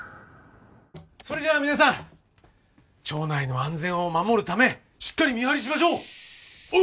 それじゃあ皆さん町内の安全を守るためしっかり見張りしましょう！